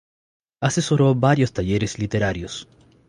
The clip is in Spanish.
Asesoró varios talleres literarios.